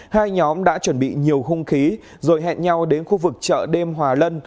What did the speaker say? hai nhóm đã chuẩn bị nhiều hung khí rồi hẹn nhau đến khu vực chợ đêm hòa lân